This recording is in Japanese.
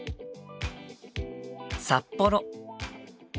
札幌。